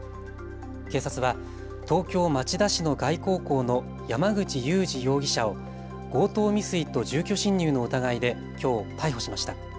警察は東京町田市の外構工の山口祐司容疑者を強盗未遂と住居侵入の疑いできょう逮捕しました。